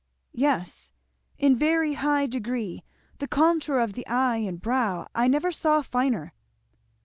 "Yes, in very high degree. The contour of the eye and brow I never saw finer."